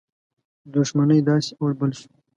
دښمنۍ داسي اور بل شو.